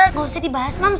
nggak usah dibahas moms